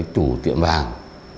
chủ tiệm vàng